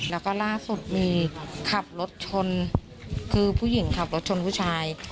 แล้วก็ล่าสุดมีขับรถชนคือผู้หญิงขับรถชนผู้ชาย